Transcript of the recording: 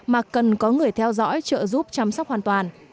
mà cần có người theo dõi trợ giúp chăm sóc hoàn toàn